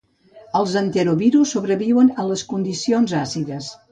Els enterovirus sobreviuen a les condicions àcides.